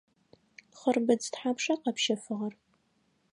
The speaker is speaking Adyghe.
Хъырбыдз тхьапша къэпщэфыгъэр?